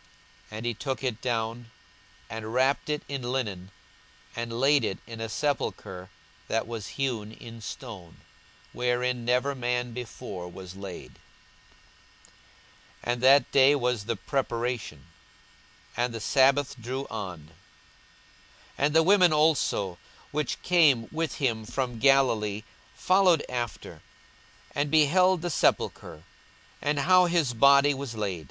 42:023:053 And he took it down, and wrapped it in linen, and laid it in a sepulchre that was hewn in stone, wherein never man before was laid. 42:023:054 And that day was the preparation, and the sabbath drew on. 42:023:055 And the women also, which came with him from Galilee, followed after, and beheld the sepulchre, and how his body was laid.